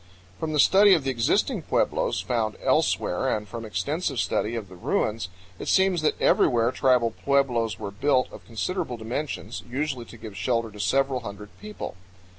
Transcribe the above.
From the study of the existing pueblos found elsewhere and from extensive study of the ruins, it seems that everywhere tribal pueblos were built of considerable dimensions, usually to give shelter to several hundred people.